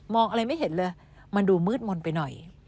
อะไรไม่เห็นเลยมันดูมืดมนต์ไปหน่อย